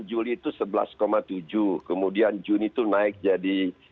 juli itu sebelas tujuh kemudian juni itu naik jadi